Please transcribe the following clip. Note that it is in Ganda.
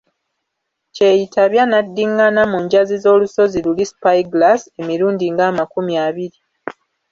Kyeyitabya n'addinnana mu njazi z'olusozi luli Spy-glass emirundi ng'amakumi abiri.